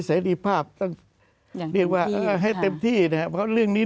เสร็จรีภาพต้องอย่างนี้ว่าเออให้เต็มที่นะฮะเพราะเรื่องนี้